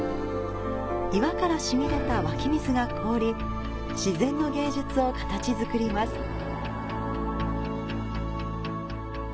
岩からしみ出た湧き水が凍り、自然の芸術を形づくります。